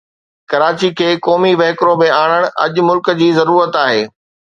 ڪراچي کي قومي وهڪرو ۾ آڻڻ اڄ ملڪ جي ضرورت آهي.